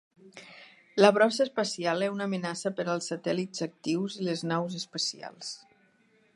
La brossa espacial és una amenaça per als satèl·lits actius i les naus espacials.